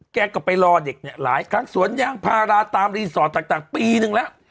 แกก็ไปรอเด็กเนี่ยหลายครั้งสวนยางพาราตามรีสอร์ทต่างปีหนึ่งแล้ว